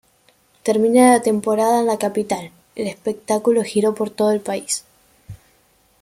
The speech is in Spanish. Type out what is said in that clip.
Terminada la temporada en la capital, el espectáculo giró por todo el país.